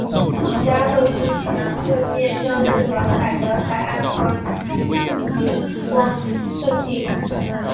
加贺之潜户面向日本海的海岸观光胜地。